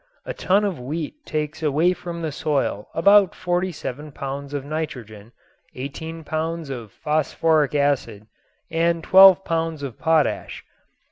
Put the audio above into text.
A ton of wheat takes away from the soil about 47 pounds of nitrogen, 18 pounds of phosphoric acid and 12 pounds of potash.